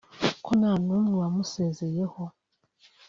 ko nta numwe wamusezeyeho